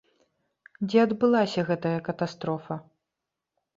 Дзе адбылася гэтая катастрофа?